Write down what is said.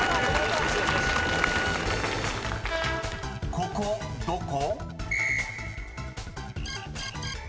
［ここどこ？］